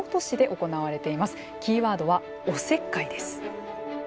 キーワードは“おせっかい”です。